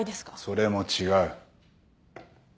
それも違う。